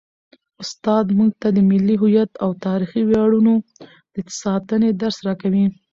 استاد موږ ته د ملي هویت او تاریخي ویاړونو د ساتنې درس راکوي.